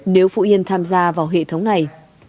nếu phú yên tham gia vào hệ thống này